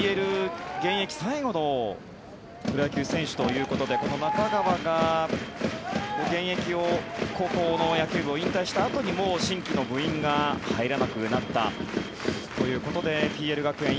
現役最後のプロ野球選手ということでこの中川が現役を高校の野球部を引退したあとに新規の部員が入らなくなったということでＰＬ学園